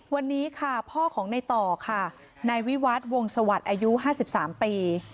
วันนี้ค่ะพ่อของในต่อค่ะนายวิวัฒน์วงสวัสดิ์อายุ๕๓ปี